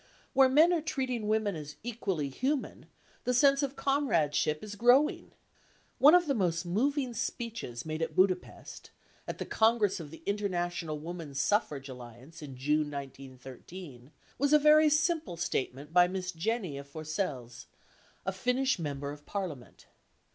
Where men are treating women as equally human, the sense of comradeship is growing. One of the most moving speeches made at Budapest, at the Congress of the International Woman Suffrage Alliance in June 1913, was a very simple statement by Miss Jenny af Forselles, a Finnish Member of Parliament.